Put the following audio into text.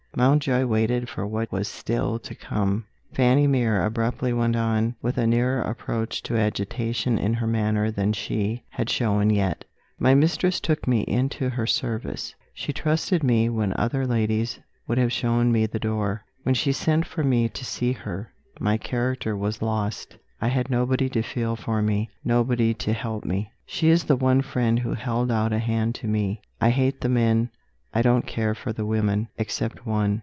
Mountjoy waited for what was still to come. Fanny Mere abruptly went on, with a nearer approach to agitation in her manner than she had shown yet: "My mistress took me into her service; she trusted me when other ladies would have shown me the door. When she sent for me to see her, my character was lost; I had nobody to feel for me, nobody to help me. She is the one friend who held out a hand to me. I hate the men; I don't care for the women. Except one.